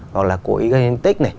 hoặc là cố ý gây đến tích này